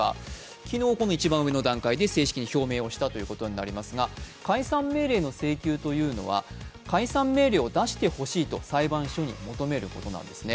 昨日、一番上の段階で正式に表明したということになりますが、解散命令の請求というのは解散命令を出してほしいと裁判所に求めるということなんですね。